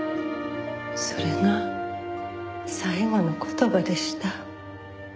それが最後の言葉でした。